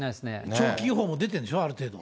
長期予報も出てるんでしょ、ある程度は。